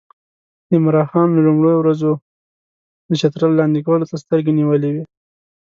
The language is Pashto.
عمرا خان له لومړیو ورځو د چترال لاندې کولو ته سترګې نیولې وې.